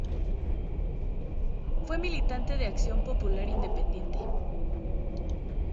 Fue militante de Acción Popular Independiente.